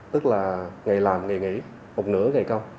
tức là ngày làm ngày nghỉ một nửa ngày công